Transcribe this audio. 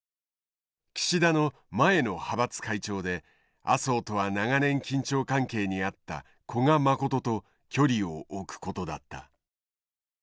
岸田の前の派閥会長で麻生とは長年緊張関係にあった古賀誠と距離を置くことだった。